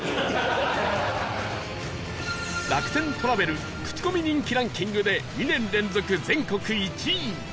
楽天トラベルクチコミ人気ランキングで２年連続全国１位